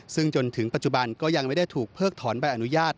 ซึ่งจนถึงปัจจุบันก็ยังไม่ได้ถูกเพิกถอนใบอนุญาต